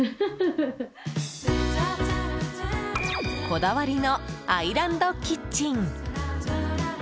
こだわりのアイランドキッチン。